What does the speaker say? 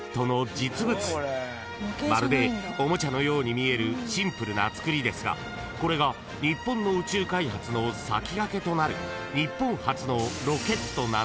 ［まるでおもちゃのように見えるシンプルなつくりですがこれが日本の宇宙開発の先駆けとなる］